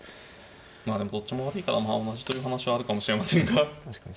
まあでもどっちも悪いからまあ同じという話はあるかもしれませんが。